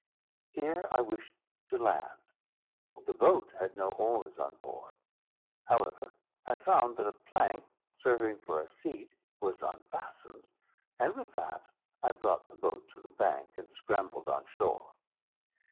Here I wished to land, but the boat had no oars on board. However, I found that a plank, serving for a seat, was unfastened, and with that I brought the boat to the bank and scrambled on shore.